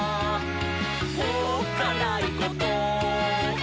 「おっかないこと？」